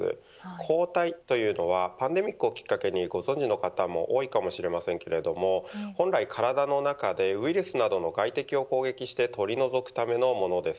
抗体というのはパンデミックをきっかけにご存じの方も多いかもしれませんが本来、体の中でウイルスなどの外敵を攻撃して取り除くためのものです。